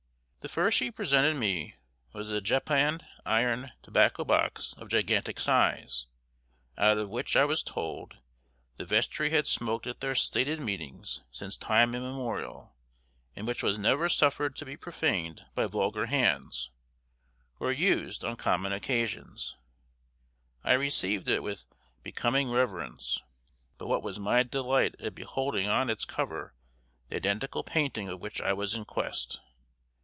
The first she presented me was a japanned iron tobacco box of gigantic size, out of which, I was told, the vestry had smoked at their stated meetings since time immemorial, and which was never suffered to be profaned by vulgar hands, or used on common occasions, I received it with becoming reverence, but what was my delight at beholding on its cover the identical painting of which I was in quest!